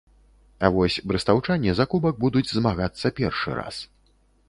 А вось брэстаўчане за кубак будуць змагацца першы раз.